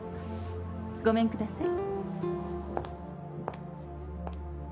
ごめんください。